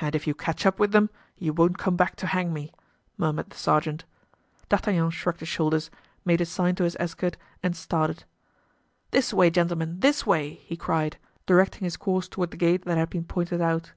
"And if you catch up with them you won't come back to hang me," murmured the sergeant. D'Artagnan shrugged his shoulders, made a sign to his escort and started. "This way, gentlemen, this way!" he cried, directing his course toward the gate that had been pointed out.